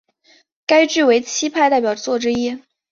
该剧为戚派代表作之一。